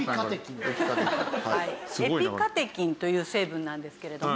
エピカテキンという成分なんですけれども。